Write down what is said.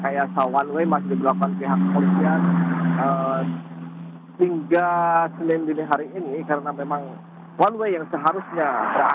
ya baik pak juri dan juga saudara